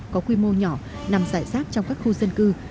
có quy mô nhỏ nằm giải sát trong các khu dân cư